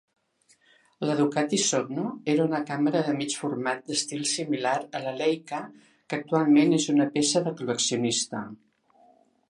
La Ducati Sogno era una càmera de mig format d'estil similar a la Leica que actualment és una peça de col·leccionista.